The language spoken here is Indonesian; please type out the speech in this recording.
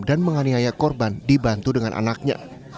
dan menganiaya korban dibantu dengan anaknya